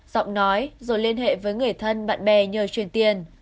giọng nói rồi liên hệ với người thân bạn bè nhờ truyền tiền